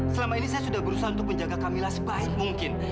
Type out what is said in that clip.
selama ini saya sudah berusaha untuk menjaga camillah sebaik mungkin